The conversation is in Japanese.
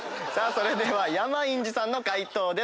それでは山陰寺さんの解答です。